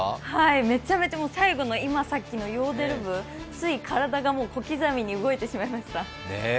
めちゃめちゃ、最後の今さっきのヨーデル部、つい体が小刻みに動いてしまいました。